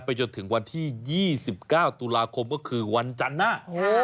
จนถึงวันที่๒๙ตุลาคมก็คือวันจันทร์หน้า